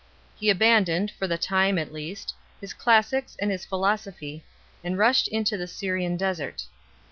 He abandoned, for the time at least, his classics and his philosophy, and rushed into the Syrian desert.